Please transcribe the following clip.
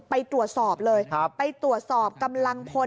ไปตรวจสอบเลยไปตรวจสอบกำลังพล